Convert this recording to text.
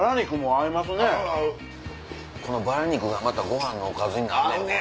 このバラ肉がまたご飯のおかずになんねんな。